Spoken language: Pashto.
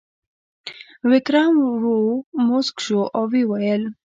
ویکرم ورو موسک شو او وویل: